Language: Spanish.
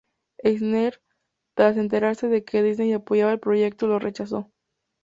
Eisner, tras enterarse de que Disney apoyaba el proyecto, lo rechazó.